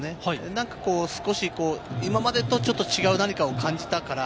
なんかこう、今までとはちょっと違う何かを感じたから、